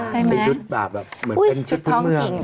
ใช่ไหมครับชุดแบบเหมือนเป็นชุดพื้นเมือง